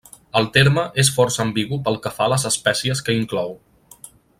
El terme es força ambigu pel que fa a les espècies que hi inclou.